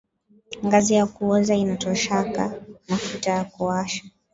Ngazi ya kuoza ina toshaka mafuta ya kuwasha